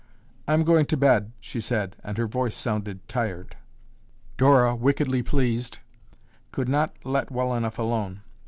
"I'm going to bed," she said and her voice sounded tired. Dora, wickedly pleased, could not let well enough alone.